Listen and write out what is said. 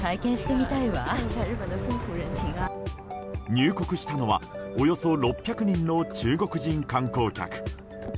入国したのはおよそ６００人の中国人観光客。